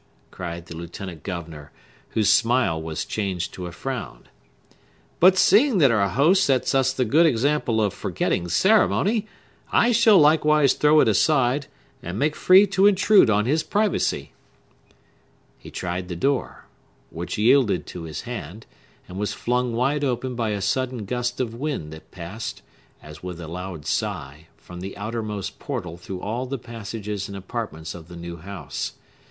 cried the lieutenant governor, whose smile was changed to a frown. "But seeing that our host sets us the good example of forgetting ceremony, I shall likewise throw it aside, and make free to intrude on his privacy." He tried the door, which yielded to his hand, and was flung wide open by a sudden gust of wind that passed, as with a loud sigh, from the outermost portal through all the passages and apartments of the new house.